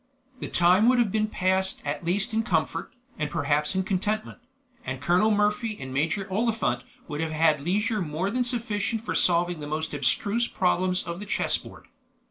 The time would have been passed at least in comfort, and perhaps in contentment; and Colonel Murphy and Major Oliphant would have had leisure more than sufficient for solving the most abstruse problems of the chess board.